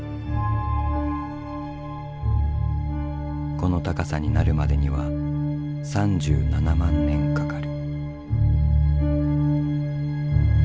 この高さになるまでには３７万年かかる。